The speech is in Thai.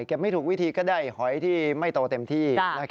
ไม่ถูกวิธีก็ได้หอยที่ไม่โตเต็มที่